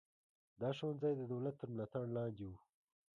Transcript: دا ښوونځي د دولت تر ملاتړ لاندې وو.